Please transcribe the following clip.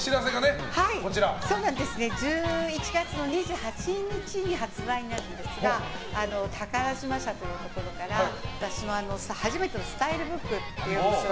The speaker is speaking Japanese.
１１月の２８日に発売になるんですが宝島社というところから私の初めてのスタイルブックが。